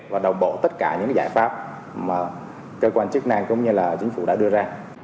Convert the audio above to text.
và đồng bộ tất cả những giải pháp mà cơ quan chức năng cũng như là chính phủ đã đưa ra